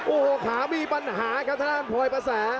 โอ้โหขามีปัญหาครับทางด้านพลอยประแส